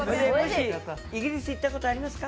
イギリス行ったことありますか？